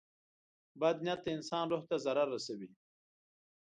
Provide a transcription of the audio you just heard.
• بد نیت د انسان روح ته ضرر رسوي.